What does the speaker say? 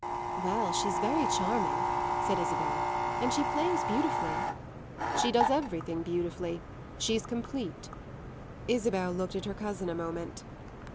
"Well, she's very charming," said Isabel. "And she plays beautifully." "She does everything beautifully. She's complete." Isabel looked at her cousin a moment.